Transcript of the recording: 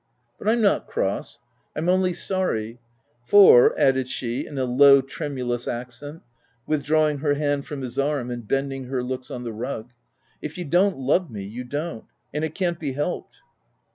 But I'm not cross ; I'm only sorry ; for/' added she in a low, tremulous accent, withdrawing her hand from his arm, and bend ing her looks on the rug, " if you don't love me, you don't, and it can't be helped."